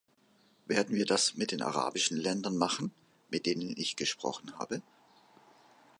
Werden wir das mit den arabischen Ländern machen, mit denen ich gesprochen habe?